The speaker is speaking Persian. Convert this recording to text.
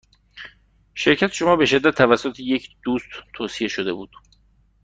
شرکت شما به شدت توسط یک دوست توصیه شده بود.